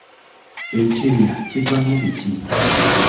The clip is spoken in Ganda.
Ekyeya kivaamu biki?